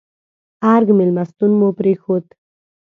ارګ مېلمستون مو پرېښود.